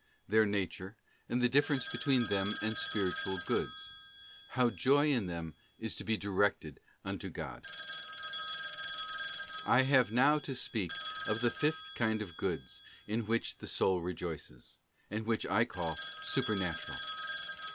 Their nature, and the difference between them and Spiritual Goods. How Joy in them is to be directed unto God, I HAVE now to speak of the fifth kind of goods in which the soul rejoices, and which I call Supernatural.